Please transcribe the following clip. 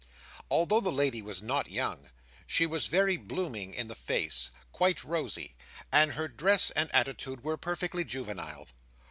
Although the lady was not young, she was very blooming in the face—quite rosy—and her dress and attitude were perfectly juvenile.